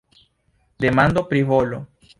Demando pri volo.